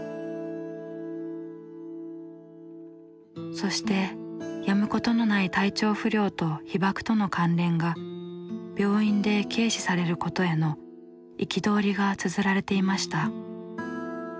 そしてやむことのない体調不良と被爆との関連が病院で軽視されることへの憤りがつづられていました。